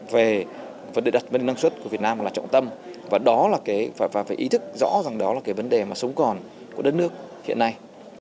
về vấn đề đặt năng suất của việt nam là trọng tâm và phải ý thức rõ rằng đó là vấn đề sống còn của đất nước hiện nay